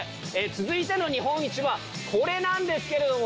続いての日本一はこれなんですけれども。